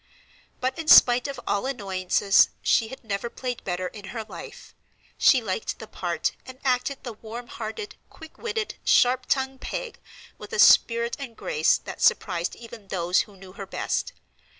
But in spite of all annoyances she had never played better in her life. She liked the part, and acted the warm hearted, quick witted, sharp tongued Peg with a spirit and grace that surprised even those who knew her best.